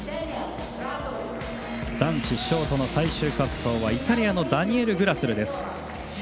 男子ショートの最終滑走はイタリアのダニエル・グラスルです。